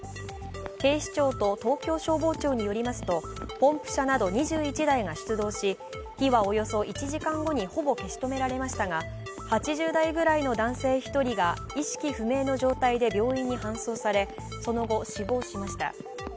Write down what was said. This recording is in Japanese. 警視庁と東京消防庁によりますとポンプ車など２１台が出動し火はおよそ１時間後にほぼ消し止められましたが８０代くらいの男性１人が意識不明の状態で病院に搬送され、その後、死亡しました。